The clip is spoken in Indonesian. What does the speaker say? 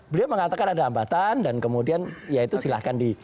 beliau mengatakan ada hambatan dan kemudian ya itu silahkan di